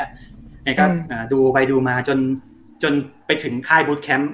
เดี๋ยวก็ดูไปดูมาจนไปถึงค่ายบึ๊ดแคมป์